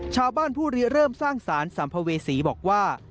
ชาวบ้านผู้รีเริ่มสร้างสารสัมภเวษีบอกว่า